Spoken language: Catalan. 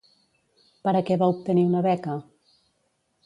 Per a què va obtenir una beca?